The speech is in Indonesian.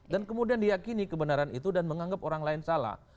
kemudian diakini kebenaran itu dan menganggap orang lain salah